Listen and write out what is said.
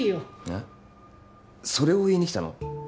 えっそれを言いにきたの？